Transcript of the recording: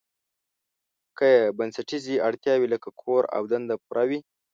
که یې بنسټیزې اړتیاوې لکه کور او دنده پوره وي.